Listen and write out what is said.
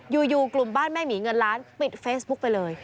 อยู่กลุ่มบ้านแม่หมีเงินล้านปิดเฟซบุ๊กไปเลย